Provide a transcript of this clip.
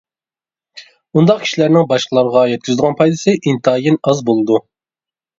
ئۇنداق كىشىلەرنىڭ باشقىلارغا يەتكۈزىدىغان پايدىسى ئىنتايىن ئاز بولىدۇ.